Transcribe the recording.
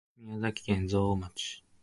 宮城県蔵王町